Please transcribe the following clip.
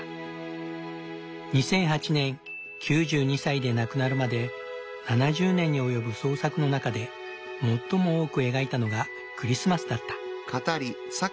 ２００８年９２歳で亡くなるまで７０年に及ぶ創作の中で最も多く描いたのがクリスマスだった。